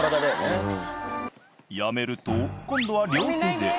やめると今度は両手で。